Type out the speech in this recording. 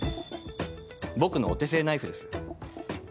僕のお手製ナイフです。